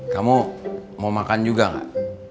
kamu mau makan juga gak